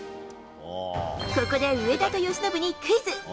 ここで上田と由伸にクイズ。